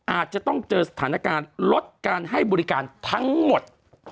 อาจจะต้องเจอสถานการณ์ลดการให้บริการทั้งหมด